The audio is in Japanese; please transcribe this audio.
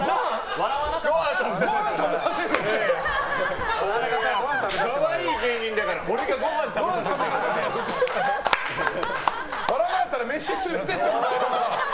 笑わなかったら飯に連れていってもらえる。